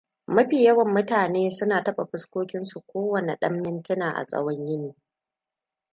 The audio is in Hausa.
Mafi yawan mutane suna taɓa fuskokinsu kowane ɗan mintuna, a tsawon yini.